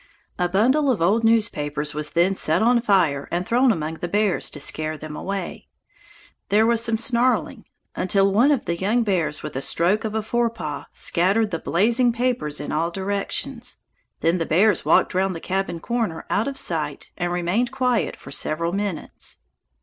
A bundle of old newspapers was then set on fire and thrown among the bears, to scare them away. There was some snarling, until one of the young bears with a stroke of a fore paw scattered the blazing papers in all directions; then the bears walked round the cabin corner out of sight and remained quiet for several minutes.